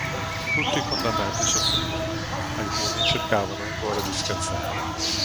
Tutti i condannati soffrivano: alcuni cercavano ancora di scherzare.